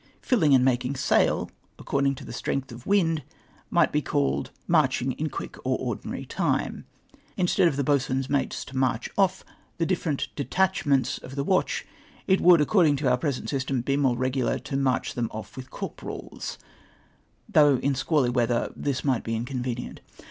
^^" Filling and making sail," ac cording to the strength of wind, might be called "marching in quick or ordinary timer'' Instead of boatswain's mates to "march of "" the different " detachments " of the watch, it would, according to our present system, be more regular to " march therji off ivith corporcds !" though in squally weather this might be inconvenient.